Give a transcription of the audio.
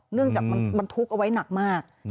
เนื่องจากมันบรรทุกเอาไว้หนักมาก